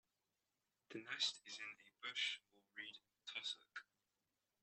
The nest is in a bush or reed tussock.